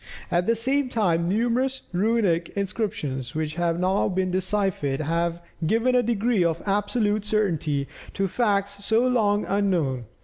At the same time numerous runic inscriptions, which have now been deciphered, have given a degree of absolute certainty to facts so long unknown.